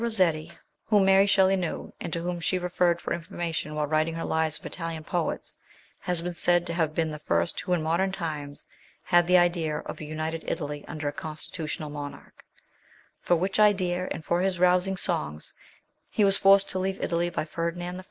* Gabriele Rossetti, whom Mary Shelley knew, and to whom she referred for information while writing her lives of Italian poets, has been said to have been the first who in modern times had the idea of a united Italy under a constitutional monarch, for which idea and for his rousing songs he was forced to leave Italy by Ferdinand I.